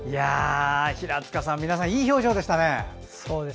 平塚さん皆さん、いい表情でしたね。